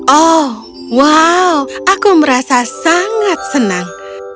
oh wow aku merasa sangat senang